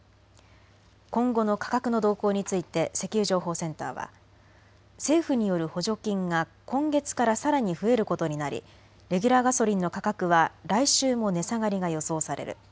今後の価格の動向について石油情報センターは政府による補助金が今月からさらに増えることになりレギュラーガソリンの価格は来週も値下がりが予想される。